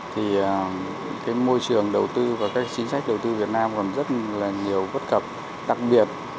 thì môi trường đầu tư và các chính sách đầu tư việt nam còn rất nhiều vất cập đặc biệt